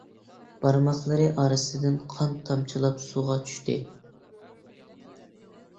بارماقلىرى ئارىسىدىن قان تامچىلاپ سۇغا چۈشتى.